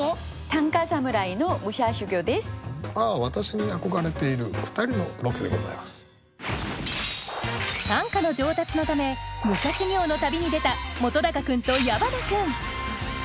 短歌の上達のため武者修行の旅に出た本君と矢花君